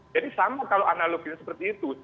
jadi sama kalau analogi seperti itu